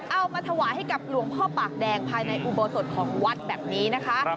เอามาถวายให้กับหลวงพ่อปากแดงภายในอุโบสถของวัดแบบนี้นะคะ